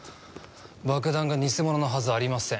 爆弾が偽物のはずありません。